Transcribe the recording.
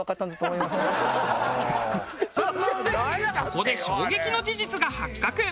ここで衝撃の事実が発覚。